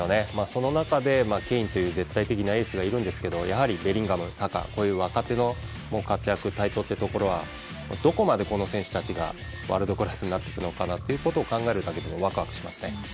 その中で、ケインという絶対的なエースがいるんですけどやはりベリンガム、サカという若手の活躍台頭っていうところはどこまでこの選手たちがワールドクラスになっていくかを考えるだけでもワクワクしますね。